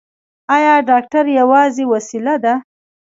ایا ډاکټر یوازې وسیله ده؟